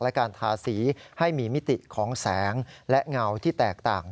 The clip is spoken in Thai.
และการทาสีให้มีมิติของแสงและเงาที่แตกต่าง